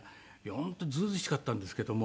本当ずうずうしかったんですけども。